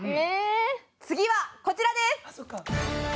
次はこちらです！